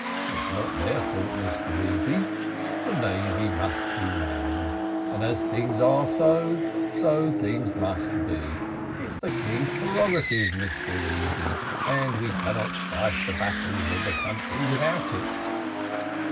It's not their fault, Mr Easy the navy must be manned, and as things are so, so things must be. It's the king's prerogative, Mr Easy, and we cannot fight the battles of the country without it."